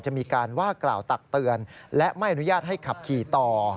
จะมีการว่ากล่าวตักเตือนและไม่อนุญาตให้ขับขี่ต่อ